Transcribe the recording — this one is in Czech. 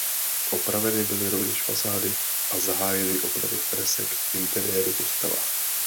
Opraveny byly rovněž fasády a zahájeny opravy fresek v interiéru kostela.